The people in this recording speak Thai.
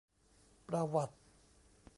ประวัติ